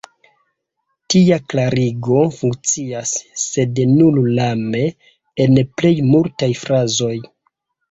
Tia klarigo funkcias, sed nur lame, en plej multaj frazoj.